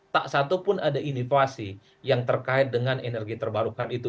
tak satupun ada inovasi yang terkait dengan energi terbarukan itu